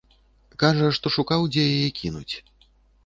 Кажа, што шукаў, дзе яе кінуць.